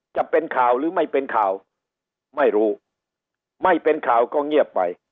จะเป็นข่าวหรือไม่เป็นข่าวไม่รู้ไม่เป็นข่าวก็เงียบไป